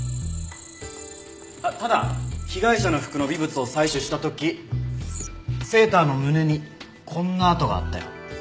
ただ被害者の服の微物を採取した時セーターの胸にこんな跡があったよ。